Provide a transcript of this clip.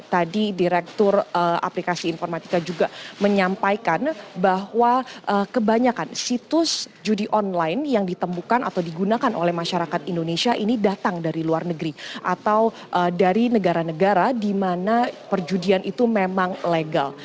tadi direktur aplikasi informatika juga menyampaikan bahwa kebanyakan situs judi online yang ditemukan atau digunakan oleh masyarakat indonesia ini datang dari luar negeri atau dari negara negara di mana perjudian itu memang legal